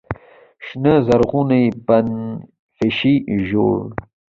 شنه، زرغونه، بنفشیې، ژړ